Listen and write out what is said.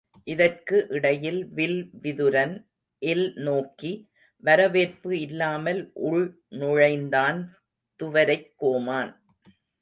இதற்கு இடையில் வில் விதுரன் இல் நோக்கி வரவேற்பு இல்லாமல் உள் நுழைந்தான் துவரைக் கோமான்.